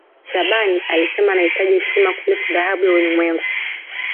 shaaban alisema anahitaji heshima kuliko dhahabu ya ulimwengu